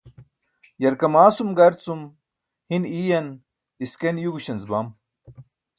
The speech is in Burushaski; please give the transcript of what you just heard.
yarkamasum gar cum hin iiyan isken yugśanc bam